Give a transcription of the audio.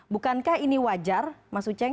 bukankah ini wajar mas uceng